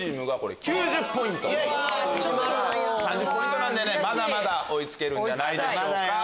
３０ポイントなんでまだまだ追い付けるんじゃないでしょうか。